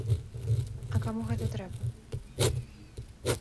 А каму гэта трэба?